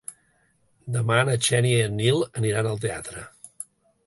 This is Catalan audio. Demà na Xènia i en Nil aniran al teatre.